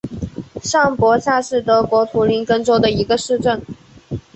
上伯萨是德国图林根州的一个市镇。